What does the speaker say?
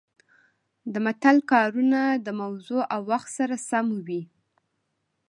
د متل کارونه د موضوع او وخت سره سمه وي